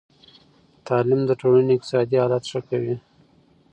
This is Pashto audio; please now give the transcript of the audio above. تعلیم د ټولنې اقتصادي حالت ښه کوي.